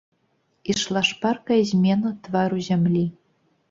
Ішла шпаркая змена твару зямлі.